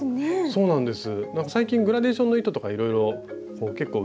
そうなんです